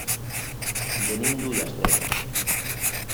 Venim d'Ullastret.